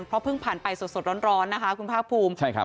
เพราะเพิ่งผ่านไปสดร้อนนะคะคุณภาคภูมิใช่ครับ